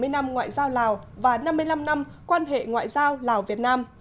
bảy mươi năm ngoại giao lào và năm mươi năm năm quan hệ ngoại giao lào việt nam